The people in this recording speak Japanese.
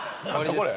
これ。